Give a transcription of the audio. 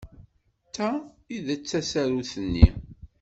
D ta ay d tasarut-nni.